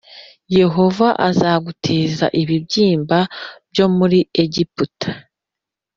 yehova azaguteza ibibyimba byo muri egiputa